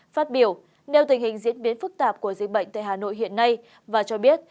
phát biểu nêu tình hình diễn biến phức tạp của dịch bệnh tại hà nội hiện nay và cho biết